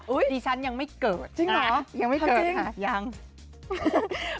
อุ๊ยดิฉันยังไม่เกิดจริงเหรอยังไม่เกิดค่ะทำจริงยัง